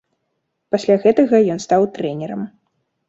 Пасля гэтага ён стаў трэнерам.